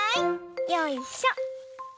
よいしょ。